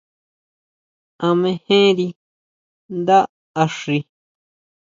¿A mejenri ndá axi?